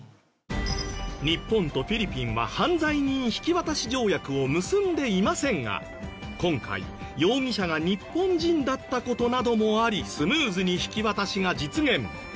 日本とフィリピンは犯罪人引き渡し条約を結んでいませんが今回容疑者が日本人だった事などもありスムーズに引き渡しが実現。